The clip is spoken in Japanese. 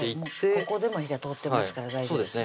ここでも火が通ってますから大丈夫ですね